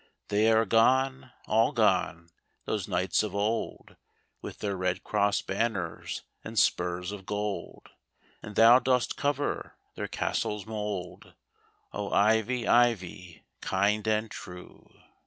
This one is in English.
" They are gone, all gone, those knights of old, With their red cross banners and spurs of gold. And thou dost cover their castle's mould, O, Ivy, Ivy, kind and true